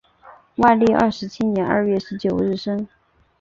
万历二十七年二月十九日生。